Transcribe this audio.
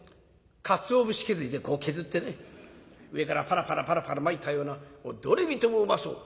かつお節削りでこう削ってね上からパラパラパラパラまいたようなどれ見てもうまそう。